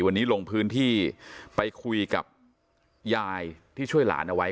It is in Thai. วันนี้ลงพื้นที่ไปคุยกับยายที่ช่วยหลานเอาไว้